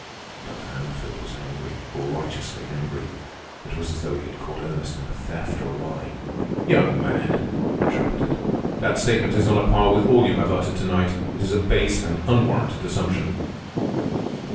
Dr. Hammerfield was angry, righteously angry. It was as though he had caught Ernest in a theft or a lie. "Young man," he trumpeted, "that statement is on a par with all you have uttered to night. It is a base and unwarranted assumption."